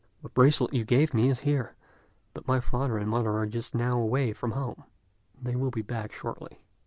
The bracelet you gave me is here, but my father and mother are just now away from home; they will be back shortly.